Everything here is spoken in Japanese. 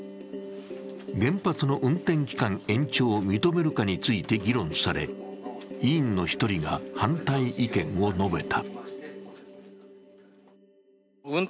原発の運転期間延長を認めるかについて議論され、委員の１人が反対意見を述べた。